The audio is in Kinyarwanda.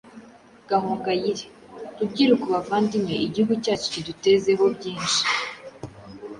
Gahongayire: Rubyiruko bavandimwe, igihugu cyacu kidutezeho byinshi,